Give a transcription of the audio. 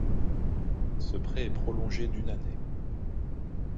Ce prêt est prolongé d'une année.